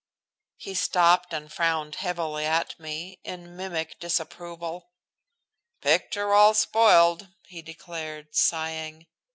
He stopped and frowned heavily at me, in mimic disapproval. "Picture all spoiled," he declared, sighing.